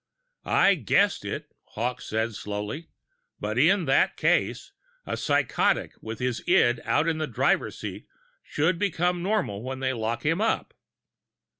"I guessed it," Hawkes said slowly. "But in that case, a psychotic with his id out in the driver's seat should become normal when they lock him up.